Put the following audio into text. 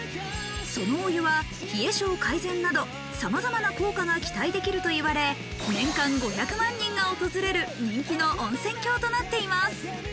そのお湯は冷え性改善など、さまざまな効果が期待できると言われ、年間５００万人が訪れる人気の温泉郷となっています。